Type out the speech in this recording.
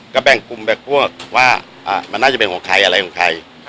ก็แบ่งกลุ่มแบ่งพวกว่ามันน่าจะเป็นของใครอะไรของใคร